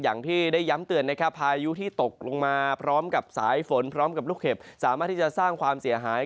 อย่างที่ได้ย้ำเตือนนะครับพายุที่ตกลงมาพร้อมกับสายฝนพร้อมกับลูกเห็บสามารถที่จะสร้างความเสียหาย